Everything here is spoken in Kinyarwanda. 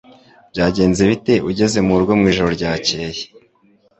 Byagenze bite ugeze murugo mwijoro ryakeye